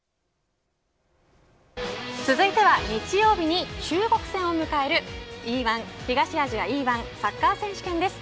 続いては日曜日に中国戦を迎える東アジアＥ‐１サッカー選手権です。